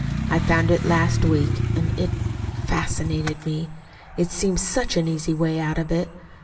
I found it last week, and it fascinated me. It seemed such an easy way out of it.